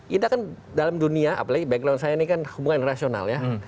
kita kan dalam dunia apalagi background saya ini kan hubungan rasional ya